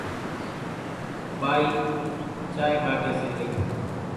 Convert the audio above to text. ٻائِي چائيَ ڪاڍيَ سي رئِي۔